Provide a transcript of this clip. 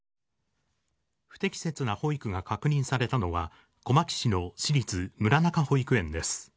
不適切な保育が確認されたのは、小牧市の私立村中保育園です。